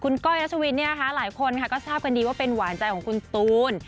ก้อยรัชวินหลายคนก็ทราบกันดีว่าเป็นหวานใจของคุณตูน